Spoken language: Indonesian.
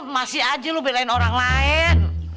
masih aja lo belain orang lain